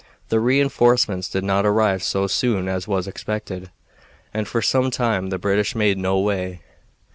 The re enforcements did not arrive so soon as was expected, and for some time the British made no way.